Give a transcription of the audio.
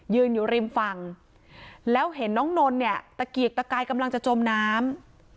อยู่ริมฝั่งแล้วเห็นน้องนนเนี่ยตะเกียกตะกายกำลังจะจมน้ำ